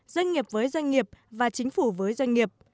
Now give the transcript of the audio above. doanh nghiệp với doanh nghiệp và chính phủ với doanh nghiệp